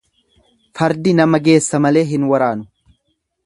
Fardi nama geessa malee hin waraanu.